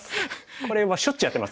これはしょっちゅうやってます